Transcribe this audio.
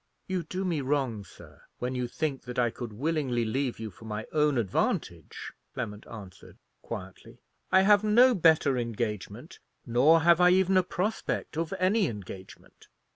"You do me wrong, sir, when you think that I could willingly leave you for my own advantage," Clement answered, quietly. "I have no better engagement, nor have I even a prospect of any engagement."